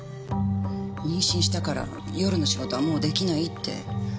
妊娠したから夜の仕事はもう出来ないって。